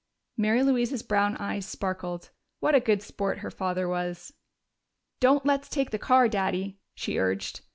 Mary Louise's brown eyes sparkled. What a good sport her father was! "Don't let's take the car, Daddy," she urged.